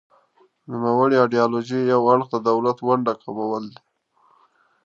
د نوموړې ایډیالوژۍ یو اړخ د دولت د ونډې کمول دي.